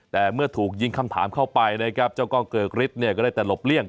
แต่เมื่อถูกยิงคำถามเข้าไปนะครับเจ้ากล้องเกิกฤทธิเนี่ยก็ได้แต่หลบเลี่ย